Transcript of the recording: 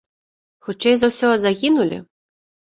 Хутчэй за ўсё, загінулі.